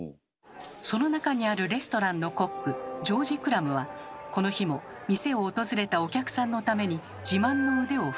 その中にあるレストランのコックジョージ・クラムはこの日も店を訪れたお客さんのために自慢の腕を振るっていました。